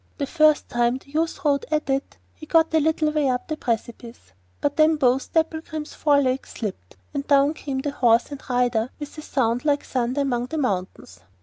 The first time the youth rode at it he got a little way up the precipice, but then both Dapplegrim's fore legs slipped, and down came horse and rider with a sound like thunder among the mountains.